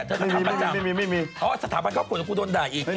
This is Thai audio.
เธอสถาบันคำอ๋อสถาบันเขาขวดถูกโดนด่ายอีก